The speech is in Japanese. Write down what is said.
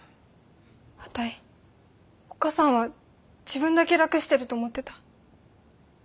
あたいおっ母さんは自分だけ楽してると思ってた。